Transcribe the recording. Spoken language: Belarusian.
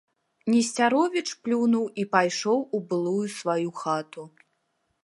Несцяровіч плюнуў і пайшоў у былую сваю хату.